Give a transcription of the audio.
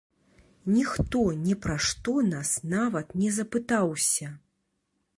Ніхто ні пра што нас нават не запытаўся!